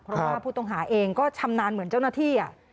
เพราะว่าผู้ต้องหาเองก็ชำนาญเหมือนเจ้าหน้าที่